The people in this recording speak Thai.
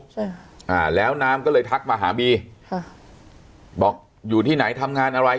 ใช่ค่ะอ่าแล้วน้ำก็เลยทักมาหาบีค่ะบอกอยู่ที่ไหนทำงานอะไร